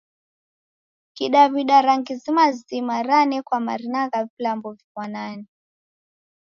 Kidaw'ida, rangi zima zima ranekwa marina gha vilambo vifwanane.